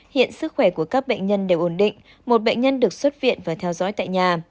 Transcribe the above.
hiện sức khỏe của các bệnh nhân đều ổn định một bệnh nhân được xuất viện và theo dõi tại nhà